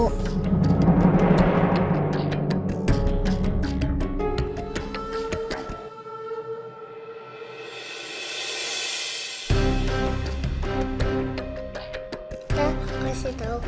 kita harus ditunggu